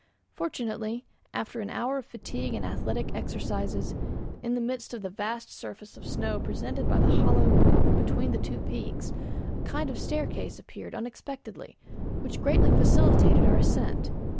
Fortunately, after an hour of fatigue and athletic exercises, in the midst of the vast surface of snow presented by the hollow between the two peaks, a kind of staircase appeared unexpectedly which greatly facilitated our ascent.